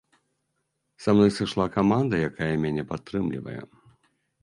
Са мной сышла каманда, якая мяне падтрымлівае.